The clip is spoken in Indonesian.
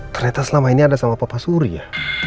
kereta selama ini ada sama papa suri ya